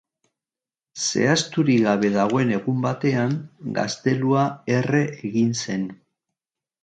Zehazturik gabe dagoen egun batean, gaztelua erre egin zen.